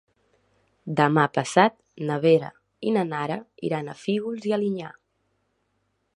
Demà passat na Vera i na Nara iran a Fígols i Alinyà.